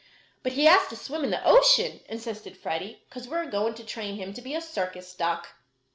"But he has to swim in the ocean," insisted Freddie, "'cause we're going to train him to be a circus duck."